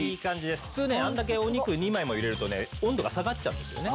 普通ねあれだけお肉２枚も入れるとね温度が下がっちゃうんですよね。